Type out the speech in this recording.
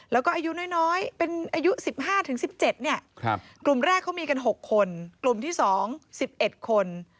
แล้วก็อายุน้อยเป็นอายุ๑๕๑๗กลุ่มแรกเขามีกัน๖คนกลุ่มที่๒๑๑คน